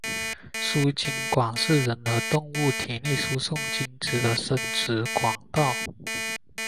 输精管是人和动物体内输送精子的生殖管道。